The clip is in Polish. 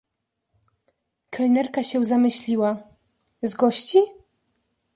"Kelnerka się zamyśliła: „Z gości?"